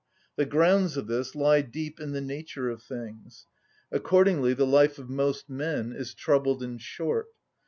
The grounds of this lie deep in the nature of things. Accordingly the life of most men is troubled and short.